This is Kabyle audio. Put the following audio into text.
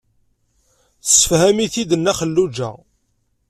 Tessefhem-it-id Nna Xelluǧa.